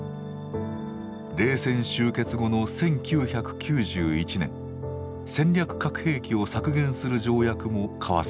冷戦終結後の１９９１年戦略核兵器を削減する条約も交わされた。